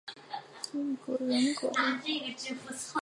洛尔格人口变化图示